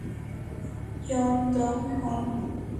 John Tong Hon.